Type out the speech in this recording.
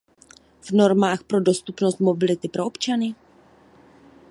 V normách pro dostupnost mobility pro občany?